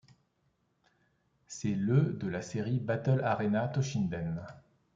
C'est le de la série Battle Arena Toshinden.